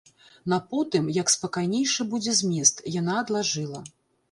На потым, як спакайнейшы будзе змест, яна адлажыла.